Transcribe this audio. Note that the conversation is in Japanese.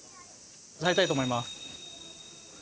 入りたいと思います。